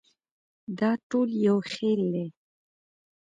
دا ټول یو خېل دي.